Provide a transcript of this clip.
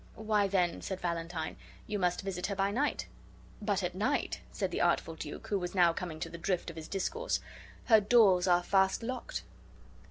"Why, then," said Valentine, "you must visit her by night." "But at night," said the artful duke, who was now coming to the drift of his discourse, "her doors are fast locked."